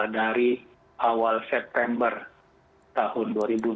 dari awal september tahun dua ribu dua puluh